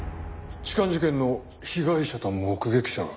痴漢事件の被害者と目撃者が。